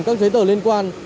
các giấy tờ liên quan